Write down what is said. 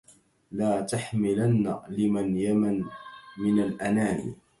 لا تحملن لمن يمن من الأنام